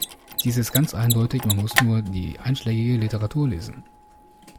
Dies ist ganz eindeutig, man muss nur die einschlägige Literatur lesen.